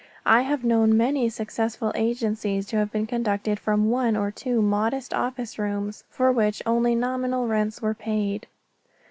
I have known many successful agencies to have been conducted from one or two modest office rooms, for which only nominal rentals were paid.